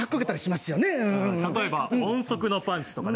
例えば音速のパンチとかね。